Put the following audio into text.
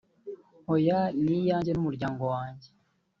hoya… ni iyanjye n’umuryango wanjye